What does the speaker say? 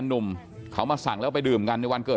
อยู่ดีมาตายแบบเปลือยคาห้องน้ำได้ยังไง